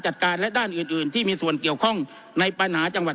จัดการและด้านอื่นอื่นที่มีส่วนเกี่ยวข้องในปัญหาจังหวัด